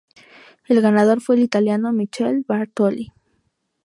El ganador fue el italiano Michele Bartoli.